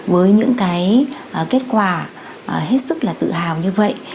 với những kết quả hết sức tự hào như vậy